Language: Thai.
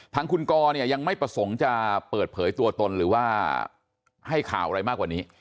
ทางคุณกอเนี่ยยังไม่ประสงค์จะเปิดเผยตัวตนหรือว่าให้ข่าวอะไรมากกว่านี้